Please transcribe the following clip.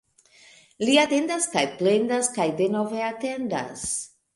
Li atendas kaj plendas kaj denove atendas.